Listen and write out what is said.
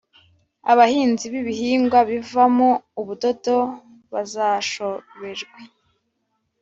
Abahinzi b’ibihingwa bivamo ubudodo bazashoberwe,